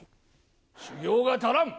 修行が足らん！